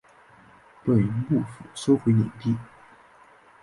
被幕府收回领地。